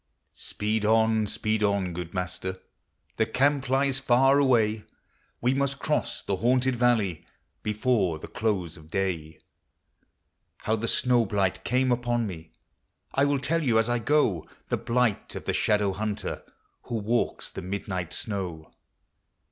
Speed on, speed on, good Master ! The camp lies far away ; We must cross the haunted valley Before the close of day. How the snow blight came upon me I will tell you as I go, — The blight of the Shadow hunter Who walks the midnight snow.